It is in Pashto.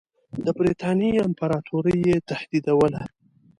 د برټانیې امپراطوري یې تهدیدوله.